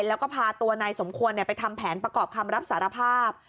แล้วก็พาตัวนายสมควรไปทำแผนประกอบคำรับสารภาพ